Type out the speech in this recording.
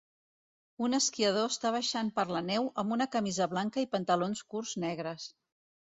Un esquiador està baixant per la neu amb una camisa blanca i pantalons curts negres.